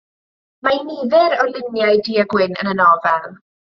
Mae nifer o luniau du a gwyn yn y nofel.